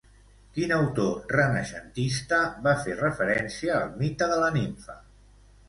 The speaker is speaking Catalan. Quin autor renaixentista va fer referència al mite de la nimfa?